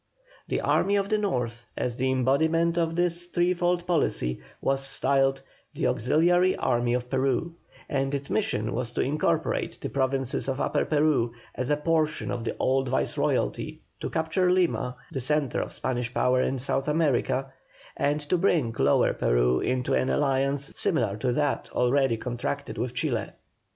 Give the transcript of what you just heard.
The army of the North, as the embodiment of this threefold policy, was styled "The Auxiliary Army of Peru," and its mission was to incorporate the Provinces of Upper Peru as a portion of the old Viceroyalty, to capture Lima, the centre of Spanish power in South America, and to bring Lower Peru into an alliance similar to that already contracted with Chile.